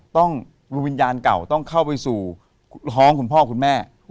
ต้องรุมยานเก่าต้องเข้าไปสู่ท้องคุณพ่อคุณแม่